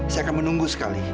saya akan menunggu sekali